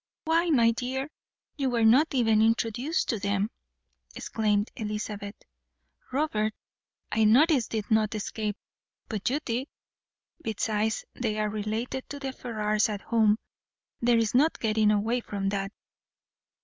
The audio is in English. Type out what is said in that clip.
"Why, my dear, you were not even introduced to them," exclaimed Elizabeth. "Robert, I noticed, did not escape, but you did. Besides, they are related to the Ferrars at home; there is no getting away from that."